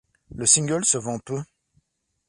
Le single se vend peu.